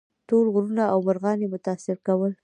ټول غرونه او مرغان یې متاثر کول.